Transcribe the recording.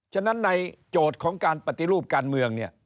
ฉะนั้นในโจทย์ของการปฏิรูปการเมืองเนี่ย